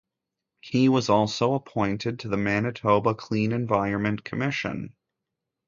He was also appointed to the Manitoba Clean Environment Commission.